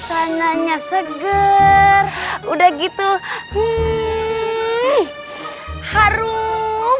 saya tidak tahu yuk